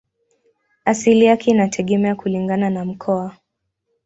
Asili yake inategemea kulingana na mkoa.